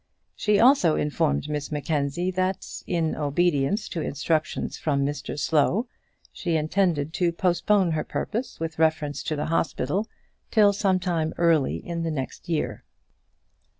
She also informed Mrs Mackenzie that, in obedience to instructions from Mr Slow, she intended to postpone her purpose with reference to the hospital till some time early in the next year.